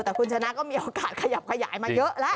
แต่คุณชนะก็มีโอกาสขยับขยายมาเยอะแล้ว